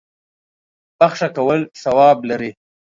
بخښه کول ثواب لري.